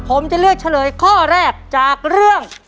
ผมจะเลือกเฉลยข้อแรกจากเรื่อง